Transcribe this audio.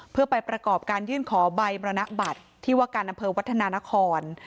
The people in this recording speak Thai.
เพื่อไปประกอบการยื่นขอใบบรรณบัตรที่ว่าการอำเภอวัฒนานคร